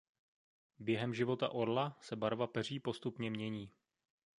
Během života orla se barva peří postupně mění.